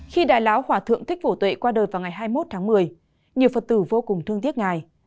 khi đại lão hòa thượng thích phổ tuệ qua đời vào ngày hai mươi một tháng một mươi nhiều phật tử vô cùng thương tiếc ngài